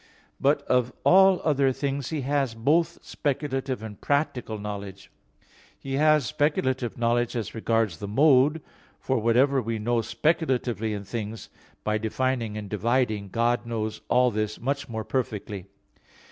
But of all other things He has both speculative and practical knowledge. He has speculative knowledge as regards the mode; for whatever we know speculatively in things by defining and dividing, God knows all this much more perfectly.